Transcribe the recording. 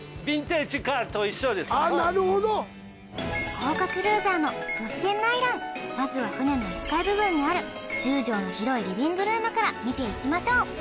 豪華クルーザーの物件内覧まずは船の１階部分にある１０畳の広いリビングルームから見ていきましょう